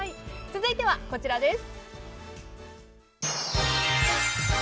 続いて、こちらです。